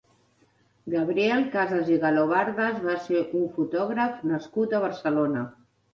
Gabriel Casas i Galobardes va ser un fotògraf nascut a Barcelona.